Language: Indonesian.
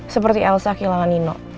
seperti elsa kehilangan nino